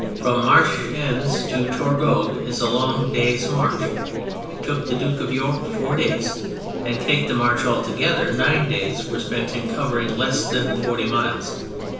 ^ From Marchi ennes to Tourcoing is a long day's march : it took the Duke of York four days; and, take the march altogether, nine days were spent in covering less than forty miles.